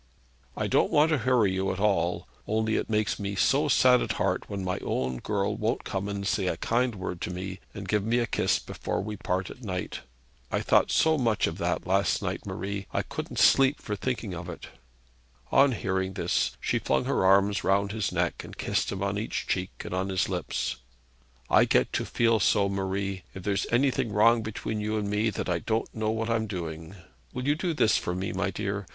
'I don't want to hurry you at all, only it makes me so sad at heart when my own girl won't come and say a kind word to me and give me a kiss before we part at night. I thought so much of that last night, Marie, I couldn't sleep for thinking of it.' On hearing this, she flung her arms round his neck and kissed him on each cheek and on his lips. 'I get to feel so, Marie, if there's anything wrong between you and me, that I don't know what I'm doing. Will you do this for me, my dear?